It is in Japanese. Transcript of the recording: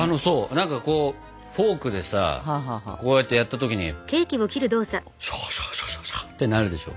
何かこうフォークでさこうやってやった時にシャーシャーシャシャシャってなるでしょ？